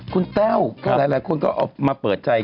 คุณแต้วก็หลายคนก็ออกมาเปิดใจ